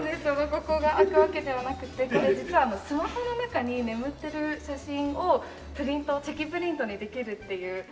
ここが開くわけではなくてこれ実はスマホの中に眠ってる写真をチェキプリントにできるっていう。